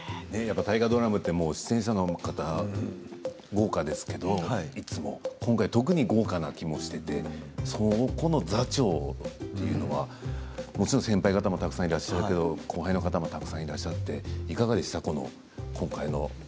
大河ドラマは出演者の方が豪華ですけど今回、特に豪華な気もしていてそこの座長というのはもちろん先輩方もたくさんいらっしゃいますけど後輩の方もたくさんいらっしゃっていかがでしたか？